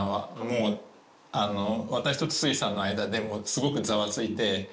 もう私と筒井さんの間ですごくざわついて。